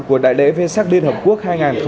của đại lễ v sac liên hợp quốc hai nghìn một mươi chín